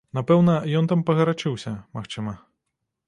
Напэўна, ён там пагарачыўся, магчыма.